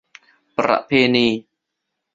ประเพณี